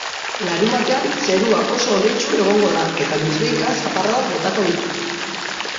Larunbatean zerua oso hodeitsu egongo da eta noizbehinka zaparradak botako ditu.